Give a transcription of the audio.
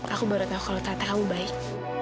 aku baru tau kalau tata kamu baik